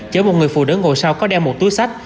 chở một người phụ nữ ngồi sau có đeo một túi sách